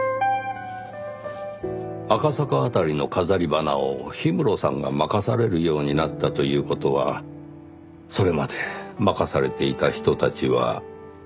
赤坂辺りの飾り花を氷室さんが任されるようになったという事はそれまで任されていた人たちは。